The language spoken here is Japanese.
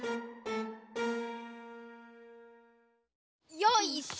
よいしょ。